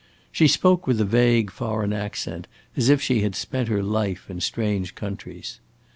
She spoke with a vague foreign accent, as if she had spent her life in strange countries.